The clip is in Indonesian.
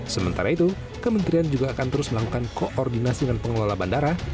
sementara itu kementerian juga akan terus melakukan koordinasi dengan pengelola bandara